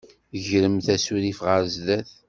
Gremt asurif ɣer sdat.